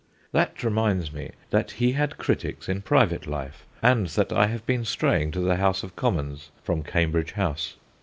That reminds me that he had critics in private life, and that I have been straying to the House of Commons from Cambridge House.